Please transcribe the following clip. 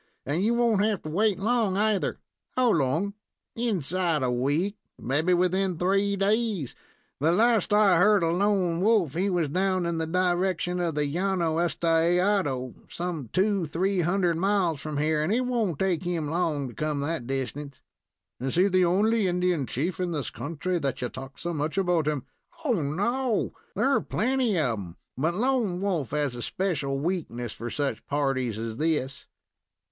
And you won't have to wait long, either." "How long?" "Inside of a week, mebbe within three days. The last I heard of Lone Wolf, he was down in the direction of the Llano Estaeado, some two or three hundred miles from here, and it won't take him long to come that distance." "Is he the only Indian chief in this country, that ye talk so much about him?" "Oh, no! there are plenty of 'em, but Lone Wolf has a special weakness for such parties as this."